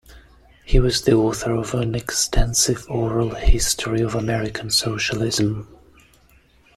He was the author of an extensive oral history of American socialism.